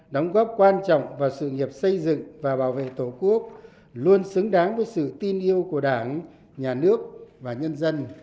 đóng góp quan trọng vào sự nghiệp xây dựng và bảo vệ tổ quốc luôn xứng đáng với sự tin yêu của đảng nhà nước và nhân dân